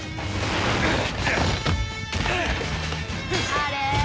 あれ？